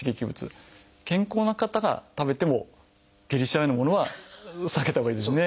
健康な方が食べても下痢しちゃうようなものは避けたほうがいいですね。